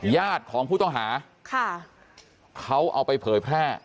ญาติของผู้ต้องหาค่ะเขาเอาไปเผยแพร่